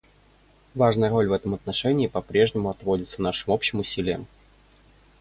Важная роль в этом отношении по-прежнему отводится нашим общим усилиям.